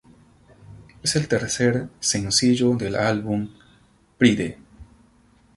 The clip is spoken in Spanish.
Es el tercer sencillo del álbum "Pride".